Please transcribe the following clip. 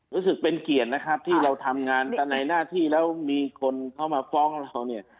รู้สึกเป็นเกียรตินะครับที่เราทำงานกันในหน้าที่แล้วมีคนเขามาฟ้องเราเนี่ย